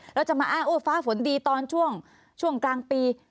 แล้วจะมาอ้างโอ้ฟ้าฝนดีตอนช่วงกลางปี